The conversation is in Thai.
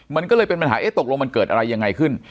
มันก็เลยเป็นปัญหาเอ๊ะตกลงมันเกิดอะไรยังไงขึ้น